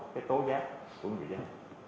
cái tố giác của người dân